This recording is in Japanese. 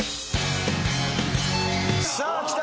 さあきた。